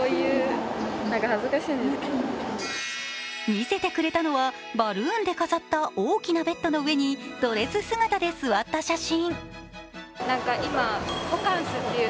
見せてくれたのはバルーンで飾った大きなベッドの上にドレス姿で座った写真。